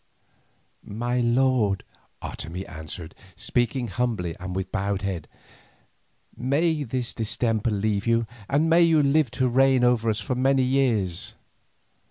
"My lord," Otomie answered, speaking humbly and with bowed head, "may this distemper leave you, and may you live to reign over us for many years!